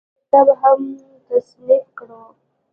يو کتاب هم تصنيف کړو